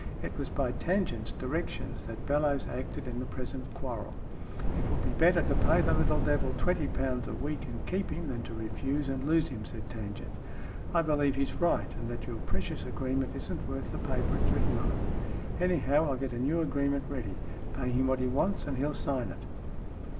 It was by Tangent's directions that Bellowes acted in the present quarrel. " It would be better to pay the little devil twenty pounds a week, and keep him, than to refuse and lose him," said Tangent. " I believe he's right, and that your precious agreement isn't worth the paper it's written on. Anyhow, I'll get a new agreement ready. Pay him what he wants, and he'll sign it."